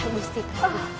baiklah gusti pratu